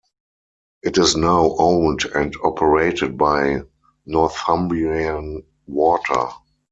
It is now owned and operated by Northumbrian Water.